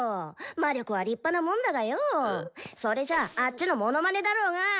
魔力は立派なもんだがよそれじゃあッチのモノマネだろーが！